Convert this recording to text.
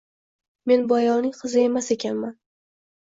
Men bu ayolning qizi emas ekanman